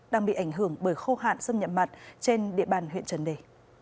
đang bị ảnh hưởng bởi khô hạn xâm nhập mặn trên địa bàn huyện trần đề